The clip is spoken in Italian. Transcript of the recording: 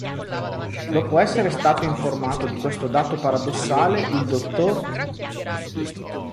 Dopo essere stato informato di questo dato paradossale, il Dott.